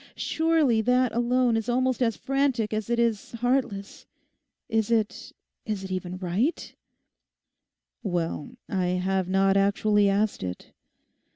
Surely that alone is almost as frantic as it is heartless! Is it, is it even right?' 'Well, I have not actually asked it.